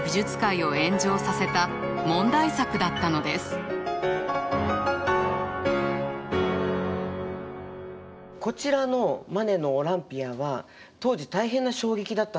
「オランピア」はパリのこちらのマネの「オランピア」は当時大変な衝撃だったんですね。